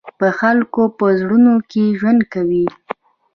د خلقو پۀ زړونو کښې ژوند کوي،